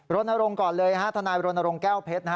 โรนโรงก่อนเลยฮะทนายโรนโรงแก้วเพชรนะฮะ